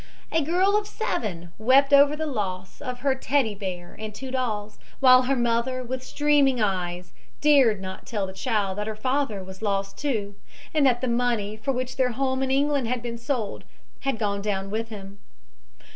A girl of seven wept over the loss of her Teddy bear and two dolls, while her mother, with streaming eyes, dared not tell the child that her father was lost too, and that the money for which their home in England had been sold had gone down with him.